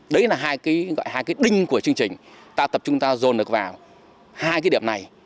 đấy là hai cái đinh của chương trình ta tập trung ta dồn được vào hai cái điểm này